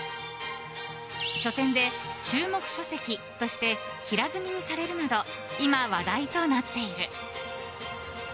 書店で注目書籍として平積みにされるなど今、話題となっている。